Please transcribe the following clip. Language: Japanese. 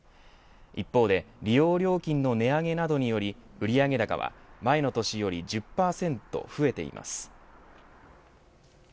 一方で利用料金の値上げなどにより売上高は前の年より１０％増えています。